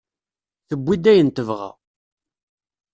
Tewwi-d ayen tebɣa.